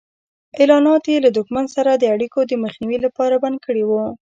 اعلانات یې له دښمن سره د اړیکو د مخنیوي لپاره بند کړي وو.